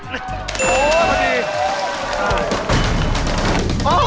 โหพอดี